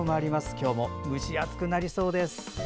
今日も蒸し暑くなりそうです。